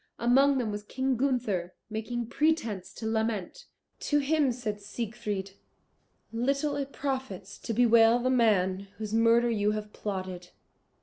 Among them was King Gunther, making pretence to lament. To him said Siegfried, "Little it profits to bewail the man whose murder you have plotted.